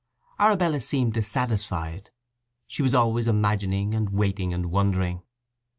Arabella seemed dissatisfied; she was always imagining, and waiting, and wondering.